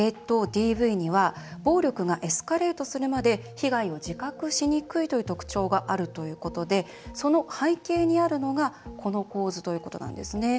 ＤＶには暴力がエスカレートするまで被害を自覚しにくいという特徴があるということでその背景にあるのがこの構図ということなんですね。